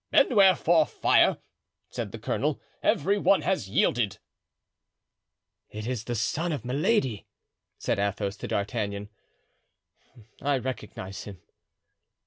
"And wherefore fire?" said the colonel; "every one has yielded." "It is the son of Milady," said Athos to D'Artagnan. "I recognize him."